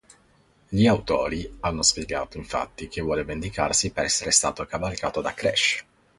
Gli autori hanno spiegato infatti che vuole vendicarsi per essere stato cavalcato da Crash.